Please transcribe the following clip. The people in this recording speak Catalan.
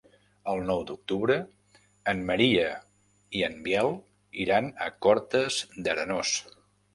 El nou d'octubre en Maria i en Biel iran a Cortes d'Arenós.